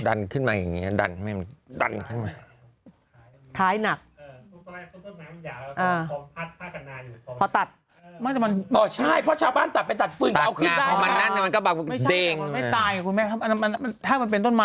ดันขึ้นมาอย่างนี้ดันขึ้นมา